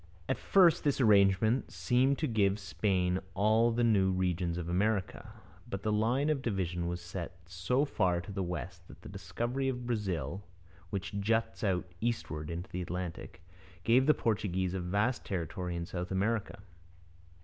At first this arrangement seemed to give Spain all the new regions in America, but the line of division was set so far to the West that the discovery of Brazil, which juts out eastward into the Atlantic, gave the Portuguese a vast territory in South America.